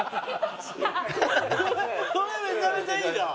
これめちゃめちゃいいじゃん。